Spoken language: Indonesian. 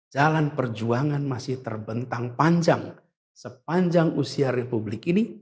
jalan perjuangan masih terbentang panjang sepanjang usia republik ini